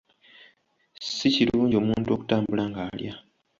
Si kirungi omuntu okutambula nga alya.